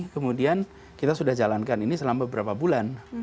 kemudian kita sudah jalankan ini selama beberapa bulan